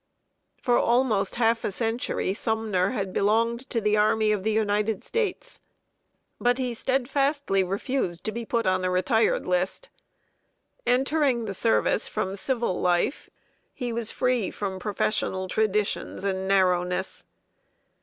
For almost half a century, Sumner had belonged to the Army of the United States; but he steadfastly refused to be put on the retired list. Entering the service from civil life, he was free from professional traditions and narrowness.